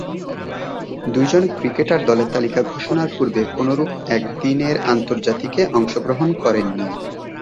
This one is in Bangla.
দুইজন ক্রিকেটার দলের তালিকা ঘোষণার পূর্বে কোনরূপ একদিনের আন্তর্জাতিকে অংশগ্রহণ করেননি।